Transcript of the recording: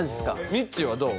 みっちーはどう？